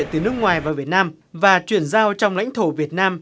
từ nước ngoài vào việt nam và chuyển giao trong lãnh thổ việt nam